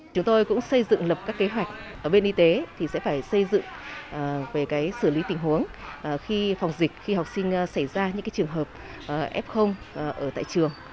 chúng tôi cũng xây dựng lập các kế hoạch ở bên y tế thì sẽ phải xây dựng về xử lý tình huống khi phòng dịch khi học sinh xảy ra những trường hợp f ở tại trường